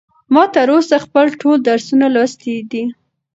ما تر اوسه خپل ټول درسونه لوستي دي.